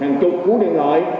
hàng chục cú điện hội